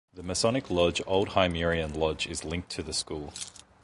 The Masonic lodge Old Hymerian Lodge is linked to the school.